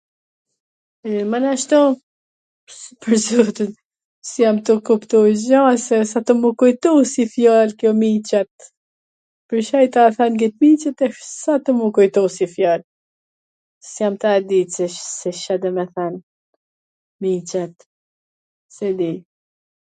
Mana, ashtu, si pwr zotin, s jam tu kuptu gja se s a tu m u kujtu si fjal kjo miCat, pwrCa ta thaj kwt miCat s a tu m u kujtu si fjal, s jam tu e dit se Ca do me thwn, miCa, s e di.